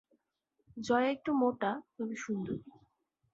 জয়া একটু মোটা, তবে সুন্দরী।